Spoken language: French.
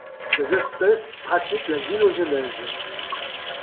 Ces espèces pratiquent la gynogenèse.